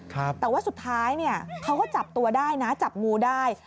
แต่ว่าสุดท้ายเนี่ยเขาก็จับตัวได้นะจับงูได้